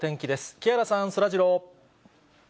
木原さん、そらジロー。